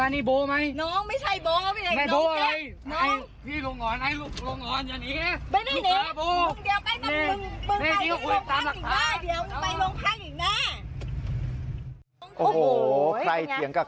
นี่น้องเรื่องเรื่อง